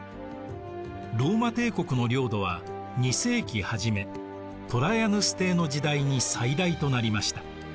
ローマ帝国の領土は２世紀はじめトラヤヌス帝の時代に最大となりました。